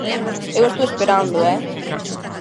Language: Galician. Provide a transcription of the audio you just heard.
Eu estou esperando,¡ eh!